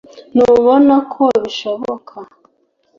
ntubona ko bishoboka